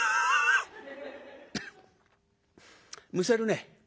「むせるね。